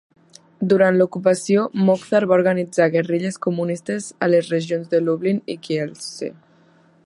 Durant l'ocupació, Moczar va organitzar guerrilles comunistes a les regions de Lublin i Kielce.